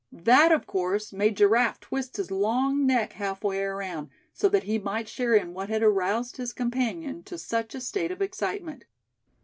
That, of course, made Giraffe twist his long neck half way around, so that he might share in what had aroused his companion to such a state of excitement.